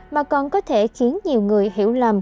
mà còn có thể khiến nhiều người hiểu lầm